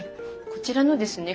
こちらのですね